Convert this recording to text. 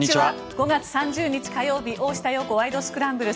５月３０日、火曜日「大下容子ワイド！スクランブル」。